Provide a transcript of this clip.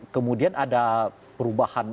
kemudian ada perubahan